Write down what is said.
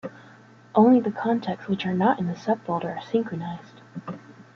Only the contacts which are not in a subfolder are synchronized.